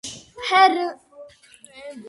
ფრენბურთის „საპასპორტო“ მონაცემები